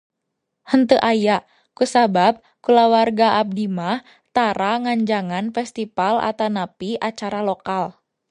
Heeunteu aya, kusabab kulawarga abdi mah tara nganjangan festival atanapi acara lokal.